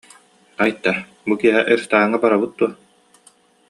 Айта, бу киэһэ рестораҥҥа барабыт дуо